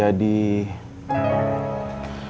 apa dia di